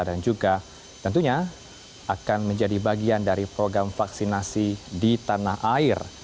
dan juga tentunya akan menjadi bagian dari program vaksinasi di tanah air